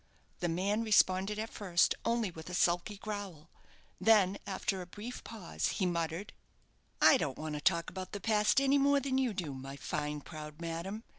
The man responded at first only with a sulky growl. Then, after a brief pause, he muttered "I don't want to talk about the past any more than you do, my fine, proud madam.